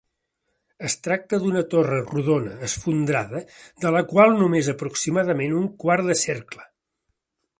Es tracta d'una torre rodona esfondrada de la qual només aproximadament un quart de cercle.